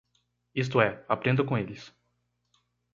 Isto é, aprenda com eles.